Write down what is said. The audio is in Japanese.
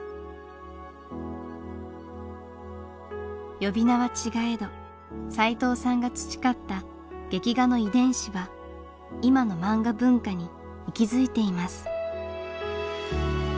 呼び名は違えどさいとうさんが培った「劇画」の遺伝子は今の漫画文化に息づいています。